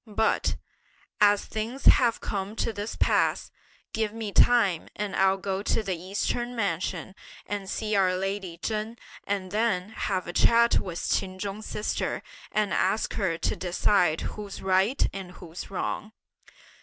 But, as things have come to this pass, give me time and I'll go to the Eastern mansion and see our lady Chen and then have a chat with Ch'in Chung's sister, and ask her to decide who's right and who's wrong!"